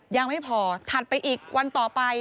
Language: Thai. ยังไม่พอถัดไปอีกวันต่อไป